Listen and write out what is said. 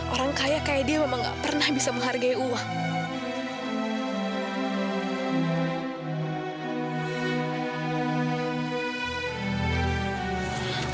orang kaya kayak dia memang gak pernah bisa menghargai uang